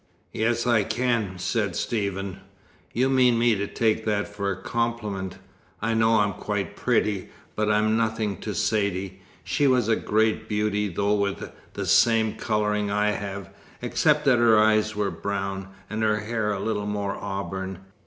"Yes, I can," said Stephen. "You mean me to take that for a compliment. I know I'm quite pretty, but I'm nothing to Saidee. She was a great beauty, though with the same colouring I have, except that her eyes were brown, and her hair a little more auburn.